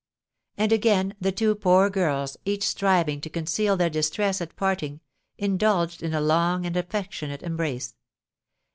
And again the two poor girls, each striving to conceal their distress at parting, indulged in a long and affectionate embrace.